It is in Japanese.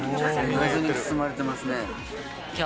謎に包まれてますね。